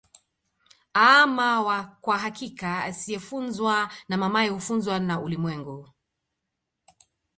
Aama kwa hakika asiyefunzwa na mamaye hufuzwa na ulimwengu